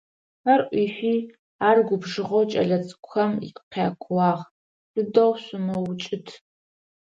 Хьэр ӏуифи, ар губжыгъэу кӏэлэцӏыкӏухэм къякууагъ: Сыдэу шъумыукӏытӏ.